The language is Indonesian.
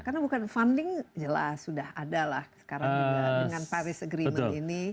karena bukan funding jelas sudah ada lah sekarang juga dengan paris agreement ini